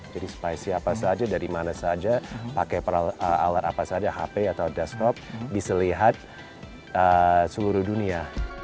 jadi supaya siapa saja dari mana saja pakai alat apa saja hp atau desktop bisa lihat seluruh dunia